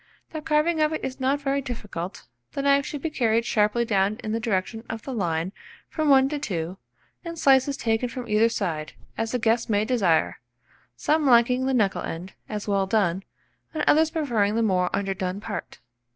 The carving of it is not very difficult: the knife should be carried sharply down in the direction of the line from 1 to 2, and slices taken from either side, as the guests may desire, some liking the knuckle end, as well done, and others preferring the more underdone part.